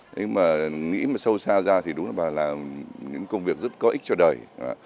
nhưng mà nghĩ mà sâu xa ra thì đúng là bà làm những công việc rất có ích cho đời